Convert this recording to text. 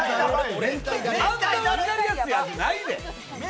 あんな分かりやすいやつないで？